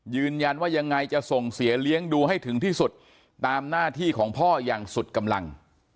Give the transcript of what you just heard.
ยืนยันว่ายังไงจะส่งเสียเลี้ยงดูให้ถึงที่สุดตามหน้าที่ของพ่ออย่างสุดกำลัง